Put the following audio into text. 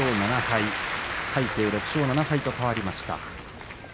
魁聖、６勝７敗と変わりました。